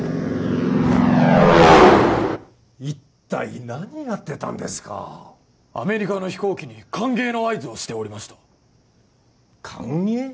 一体何やってたんですかアメリカの飛行機に歓迎の合図をしておりました歓迎？